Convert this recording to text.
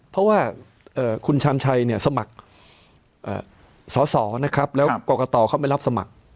เพราะว่าคุณชาญชัยสมัครสอสอแล้วกรกตเขาไม่รับสมัคร